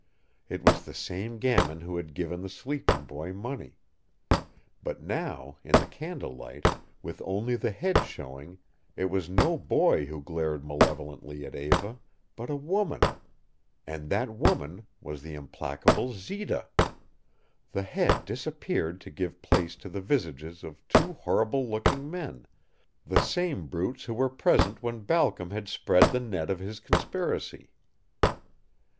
It was the same gamin who had given the sleeping boy money. But now, in the candle light, with only the head showing, it was no boy who glared malevolently at Eva, but a woman and that woman was the implacable Zita! The head disappeared to give place to the visages of two horrible looking men, the same brutes who were present when Balcom had spread the net of his conspiracy.